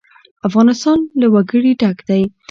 افغانستان له وګړي ډک دی.